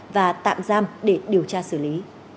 và tạm giam để điều tra xử lý